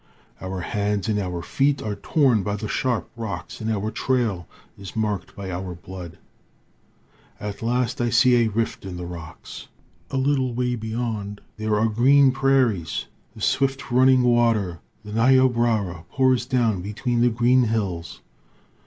Our hands and our feet are torn by the sharp rocks, and our trail is marked by our blood. At last I see a rift in the rocks. A little way beyond there are green prairies. The swift running water, the Niobrara, pours down between the green hills.